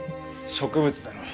植物だろう？